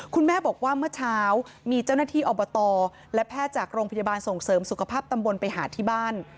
คุณแม่บอกว่าเมื่อเช้ามีเจ้าหน้าที่อบตและแพทย์จากโรงพยาบาลส่งเสริมสุขภาพตำบลไปหาที่บ้าน